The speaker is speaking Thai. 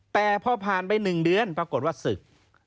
แต่พอผ่านไป๑เดือนปรากฏว่าศึก